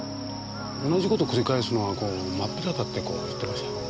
同じこと繰り返すのはこう真っ平だってこう言ってました。